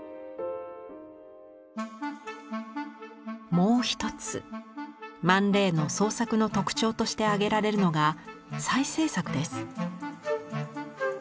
もう一つマン・レイの創作の特徴として挙げられるのが再制作です。